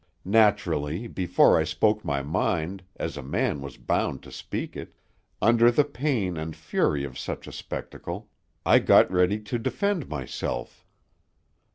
Naturally, before I spoke my mind, as a man was bound to speak it, under the pain and fury of such a spectacle, I got ready to defend myself.